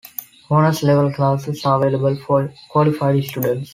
Honors-level classes are available for qualified students.